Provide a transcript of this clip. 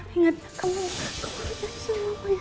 ingat ya kamu itu orang jatuh